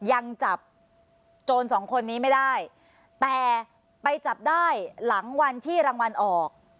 ยังจับโจรสองคนนี้ไม่ได้แต่ไปจับได้หลังวันที่รางวัลออก